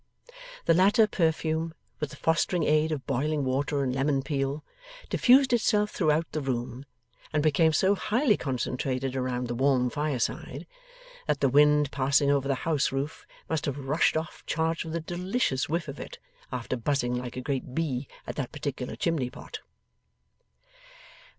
The latter perfume, with the fostering aid of boiling water and lemon peel, diffused itself throughout the room, and became so highly concentrated around the warm fireside, that the wind passing over the house roof must have rushed off charged with a delicious whiff of it, after buzzing like a great bee at that particular chimneypot.